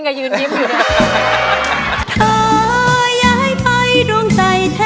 แอร์มันเย็นค่ะ